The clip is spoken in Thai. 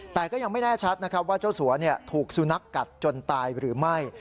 แต่ก็ยังไม่แน่ชัดนะครับว่าเจ้าสัวถูกสุนัขกัดจนตายหรือไม่